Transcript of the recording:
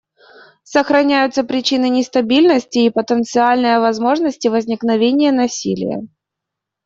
Сохраняются причины нестабильности и потенциальные возможности возникновения насилия.